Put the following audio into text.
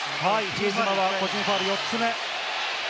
比江島は個人ファウル４つ目。